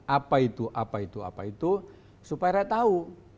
apa itu apa itu apa itu supaya tahu